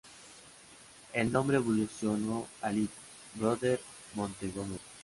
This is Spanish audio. El nombre evolucionó a Little Brother Montgomery.